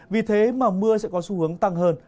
vì thế mà mưa sẽ có xu hướng tăng hơn